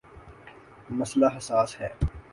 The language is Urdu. مسئلہ حساس ہے۔